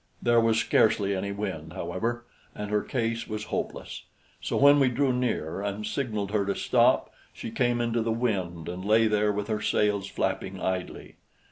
There was scarcely any wind, however, and her case was hopeless; so when we drew near and signaled her to stop, she came into the wind and lay there with her sails flapping idly.